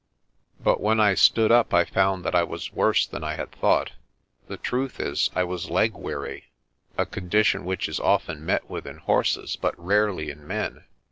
But when I stood up I found that I was worse than I had thought. The truth is, I was leg weary, a condition which is often met with in horses, but rarely in men.